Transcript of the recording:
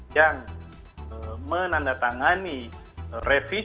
yang menandatangani revisi undang undang kpk dilakukan